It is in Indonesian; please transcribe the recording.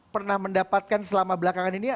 pernah mendapatkan selama belakangan ini